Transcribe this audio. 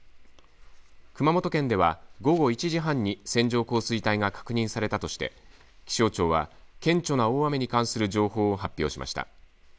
熊本県では午後１時半に線状降水帯が確認されたとして気象庁は顕著な大雨に関する情報を発表しました。